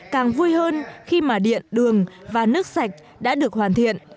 càng vui hơn khi mà điện đường và nước sạch đã được hoàn thiện